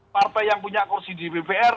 partai yang punya kursi dppr